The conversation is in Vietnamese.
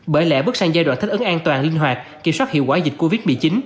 bởi lẽ bước sang giai đoạn thích ứng an toàn linh hoạt kiểm soát hiệu quả dịch covid một mươi chín